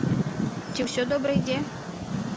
Ці ўсё добра ідзе?